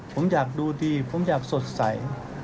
ผมอยากดูดีผมอยากสดใส